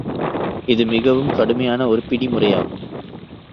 இது மிகவும் கடுமையான ஒரு பிடி முறையாகும்.